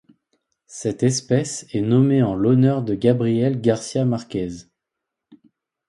Cette espèce est nommée en l'honneur de Gabriel García Márquez.